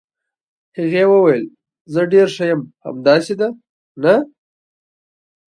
هغې وویل: زه ډېره ښه یم، همداسې ده، نه؟